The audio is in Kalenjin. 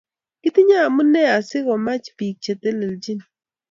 Kitinye amune asikomach bik che telelchini